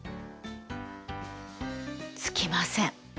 つきません。